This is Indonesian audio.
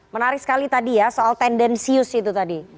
menarik sekali tadi ya soal tendensius itu tadi